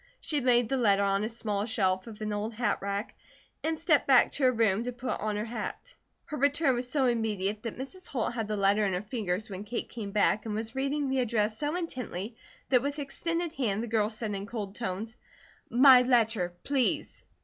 She laid the letter on a small shelf of an old hatrack, and stepped back to her room to put on her hat. Her return was so immediate that Mrs. Holt had the letter in her fingers when Kate came back, and was reading the address so intently, that with extended hand, the girl said in cold tones: "My letter, please!"